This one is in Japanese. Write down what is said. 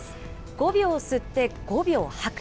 ５秒吸って５秒吐く。